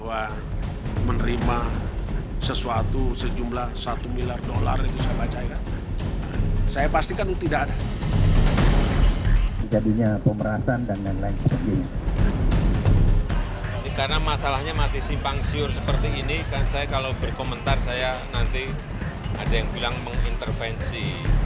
ada yang bilang mengintervensi